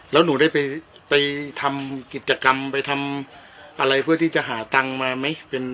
แล้วหนูได้ไปทำกิจกรรมไปทำอะไรเพื่อที่จะหาตังค์มาไหม